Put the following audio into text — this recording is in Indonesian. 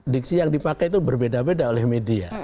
diksi yang dipakai itu berbeda beda oleh media